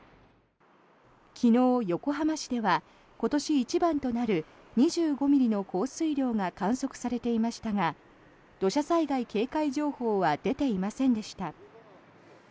昨日、横浜市では今年一番となる２５ミリの降水量が観測されていましたが土砂災害警戒情報は出ていませんでした。